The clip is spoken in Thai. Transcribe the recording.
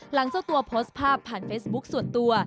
เจ้าตัวโพสต์ภาพผ่านเฟซบุ๊คส่วนตัว